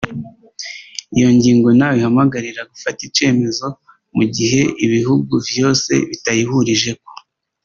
Iyo ngingo ntawe ihamagarira gufata icemezo mu gihe ibihugu vyose bitayihurijeko